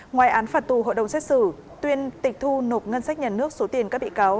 ngoài án phạt tù hội đồng xét xử tuyên tịch thu nộp ngân sách nhà nước số tiền các bị cáo